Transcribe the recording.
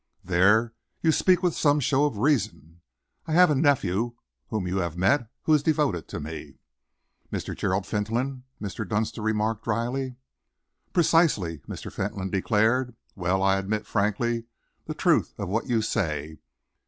"There, you speak with some show of reason. I have a nephew whom you have met, who is devoted to me." "Mr. Gerald Fentolin," Mr. Dunster remarked drily. "Precisely," Mr. Fentolin declared. "Well, I admit frankly the truth of what you say.